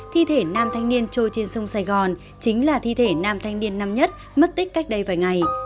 thi thể nam thanh niên trôi trên sông sài gòn chính là thi thể nam thanh niên năm nhất mất tích cách đây vài ngày